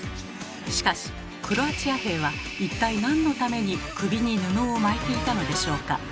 しかしクロアチア兵は一体何のために首に布を巻いていたのでしょうか？